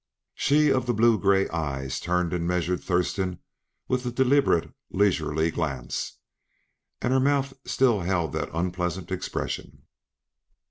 She of the blue gray eyes turned and measured Thurston with a deliberate, leisurely glance, and her mouth still had that unpleasant expression.